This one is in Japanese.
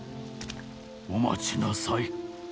お待ちなさい。